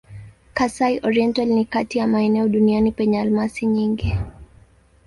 Kasai-Oriental ni kati ya maeneo duniani penye almasi nyingi.